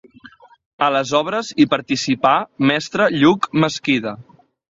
A les obres hi participà mestre Lluc Mesquida.